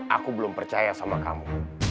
aku belum percaya sama kamu